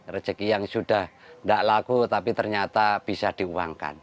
rezeki yang sudah tidak laku tapi ternyata bisa diuangkan